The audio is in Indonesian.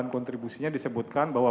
dan kontribusinya disebutkan bahwa